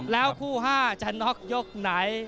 แล้วคู่๕จะน็อกยกไหน